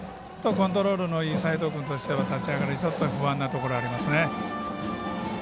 コントロールのいい齋藤君としては立ち上がり、ちょっと不安なところありますね。